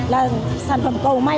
là sản phẩm cầu may